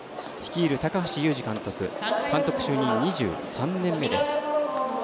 率いる高橋祐二監督監督就任２３年目。